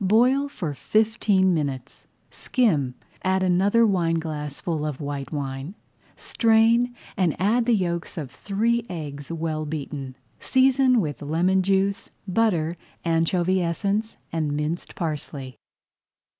Boil for fifteen minutes, skim, add another wineglassful of white wine, strain, and add the yolks of three eggs well beaten. Season with lemon juice, butter, anchovy essence, and minced parsley.